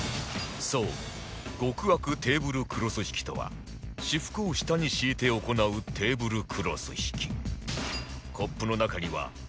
そう極悪テーブルクロス引きとは私服を下に敷いて行うテーブルクロス引き